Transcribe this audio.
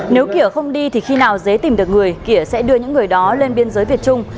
nếu kỷa không đi thì khi nào dế tìm được người kỷa sẽ đưa những người đó lên biên giới việt trung